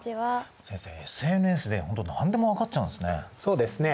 先生ＳＮＳで本当何でも分かっちゃうんですね。